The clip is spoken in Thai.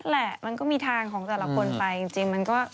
แหละมันก็มีทางของแต่ละคนไปจริงมันก็